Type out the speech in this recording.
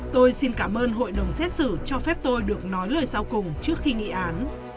tôi xin cảm ơn hội đồng xét xử cho phép tôi được nói lời sau cùng trước khi nghị án